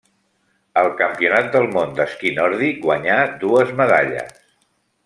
Al Campionat del Món d'esquí nòrdic guanyà dues medalles.